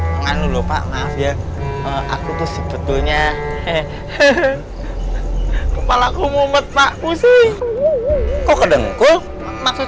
lagi lupa ya aku tuh sebetulnya hehehe kepala kumumet pak usui kok dengkul maksud